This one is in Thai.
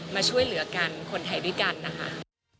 มาช่วยเหลือกันคนไทยด้วยกันนะคะ